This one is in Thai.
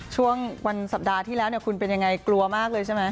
ช่วงวันสัปดาห์ที่แล้วเนี่ยคุณเป็นยังไงกลัวมากเลยใช่ไหม